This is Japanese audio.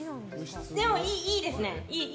でも、いいですね。